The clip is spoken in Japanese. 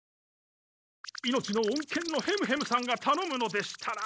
命の恩犬のヘムヘムさんがたのむのでしたら。